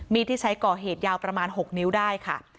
ที่ใช้ก่อเหตุยาวประมาณ๖นิ้วได้ค่ะ